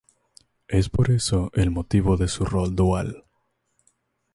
Es por eso el motivo de su rol dual.